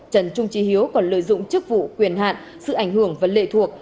trần trung trí hiếu còn lợi dụng chức vụ quyền hạn sự ảnh hưởng và lệ thuộc